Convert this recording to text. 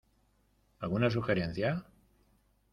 ¿Alguna sugerencia?